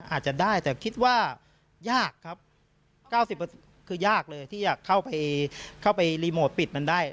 อาจจะได้แต่คิดว่ายากครับ๙๐คือยากเลยที่จะเข้าไปรีโมทปิดมันได้